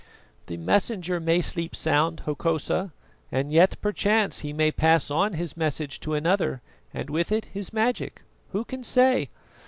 "The Messenger may sleep sound, Hokosa, and yet perchance he may pass on his message to another and, with it, his magic. Who can say?